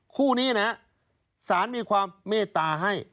คู่นี้นะสารมีความเมตตาให้